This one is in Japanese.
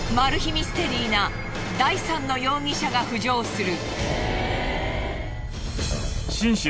ミステリーな第３の容疑者が浮上する。